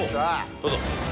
どうぞ。